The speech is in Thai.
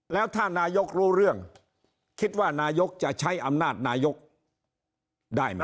แล้วถ้านายกรู้เรื่องคิดว่านายกจะใช้อำนาจนายกได้ไหม